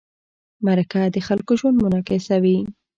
مرکه د خلکو ژوند منعکسوي.